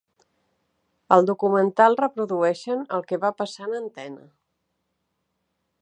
Al documental reprodueixen el que va passar en antena.